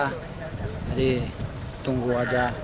jadi tunggu saja